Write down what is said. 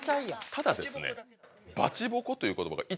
ただですね。